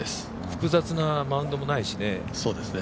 複雑なマウンドもないしね。